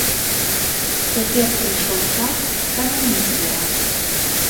Цяпер прыйшоў час камяні збіраць.